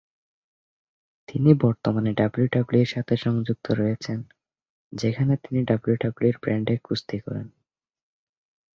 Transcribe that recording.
তিনি বর্তমানে ডাব্লিউডাব্লিউইর সাথে সংযুক্ত রয়েছেন, যেখানে তিনি ডাব্লিউডাব্লিউই র ব্র্যান্ডে কুস্তি করেন।